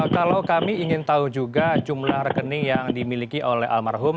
dan kami ingin tahu juga jumlah rekening yang dimiliki oleh almarhum